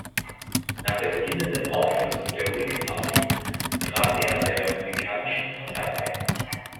Nach der beginnenden Auflösung der Whig Party trat er der Republikanischen Partei bei.